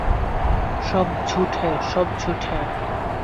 সব ঝুট হ্যায়, সব ঝুট হ্যায়।